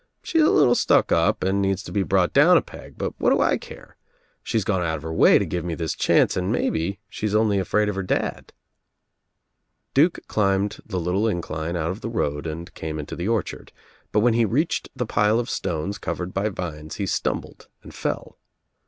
She's a little stuck up and needs to be brought down a peg, but what do I care? She's gone out of her way to give me this chance and maybe she's only afraid of her dad," Duke climbed the little incline out o f the road and came into the orchard, but when he reached the pile of stones covered by vines he stumbled and fell.